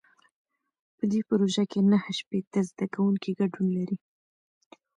په دې پروژه کې نهه شپېته زده کوونکي ګډون لري.